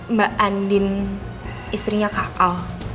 mbak andin istrinya kak al